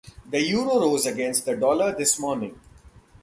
The euro rose against the dollar this morning.